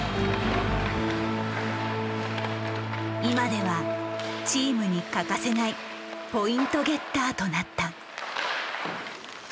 今ではチームに欠かせないポイントゲッターとなった。